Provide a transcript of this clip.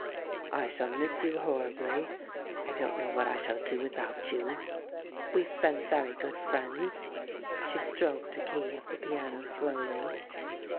"I shall miss you horribly. I don't know what I shall do without you." "We've been very good friends." She stroked a key of the piano slowly.